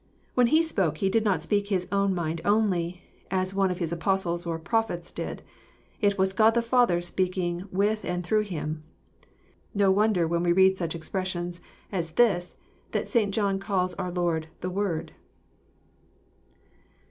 When He spoke. He did not speak His own mind only, as one of His Apostles or prophets did. It was God the Father speaking with and through Him. No wonder when we read such expres sions as this that St. John calls our Lord the Word."